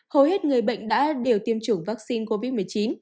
hầu hết người bệnh đã điều tiêm chủng vaccine covid một mươi chín